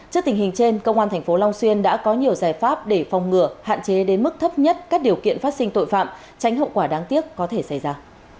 trước tình hình trên công an thành phố long xuyên đã có nhiều giải pháp để phòng ngừa hạn chế đến mức thấp nhất các điều kiện phát sinh tội phạm tránh hậu quả đáng tiếc có thể xảy ra